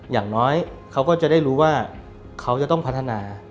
อย่างน้อยเขาก็จะได้รู้ว่าเขาจะต้องพัฒนา